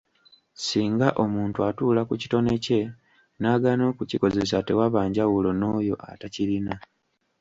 Singa omuntu atuula ku kitone kye n’agaana okukikozesa tewaba njawulo n’oyo atakirina.